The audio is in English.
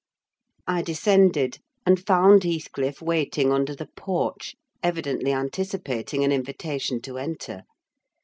I descended, and found Heathcliff waiting under the porch, evidently anticipating an invitation to enter.